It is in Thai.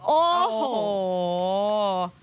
โอ้โห